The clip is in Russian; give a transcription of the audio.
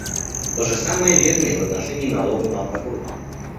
То же самое верно и в отношении налога на алкоголь.